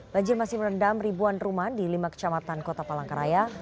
banjir masih merendam ribuan rumah di lima kecamatan kota palangkaraya